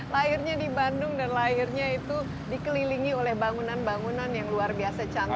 lahirnya di bandung dan lahirnya itu dikelilingi oleh bangunan bangunan yang luar biasa canggih